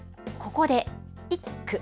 ここで一句。